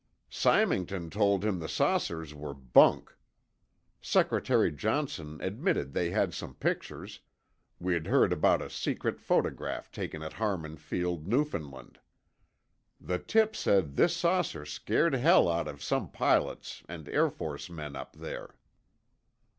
"Symington told him the saucers were bunk. Secretary Johnson admitted they had some pictures—we'd heard about a secret photograph taken at Harmon Field, Newfoundland. The tip said this saucer scared hell out of some pilots and Air Force men up there.